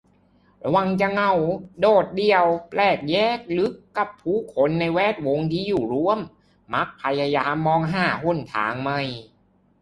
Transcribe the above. ระวังจะเหงา โดดเดี่ยว แปลกแยกลึกกับผู้คนในแวดวงที่อยู่ร่วม มักพยายามมองหาหนทางใหม่